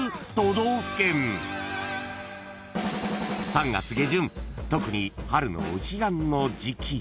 ［３月下旬特に春のお彼岸の時期］